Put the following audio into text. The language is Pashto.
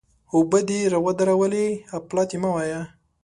اوبه دې را ودرولې؛ اپلاتي مه وایه!